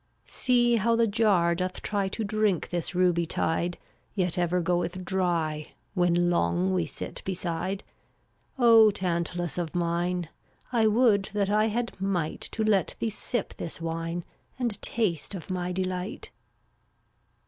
334 See how the jar doth try To drink this ruby tide, Yet ever goeth dry — When long we sit beside. Oh, Tantalus of mine, I would that I had might To let thee sip this wine And taste of my delight.